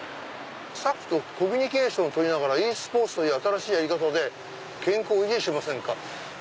「スタッフとコミュニケーションを取りながらｅスポーツという新しいやり方で健康維持しませんか？」。